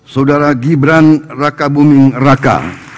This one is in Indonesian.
saudara gibran rakabuming raka